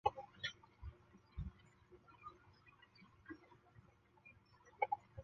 这一决定让影片与其他近期的奥斯汀小说改编影视剧本相比有着明显的视觉差异。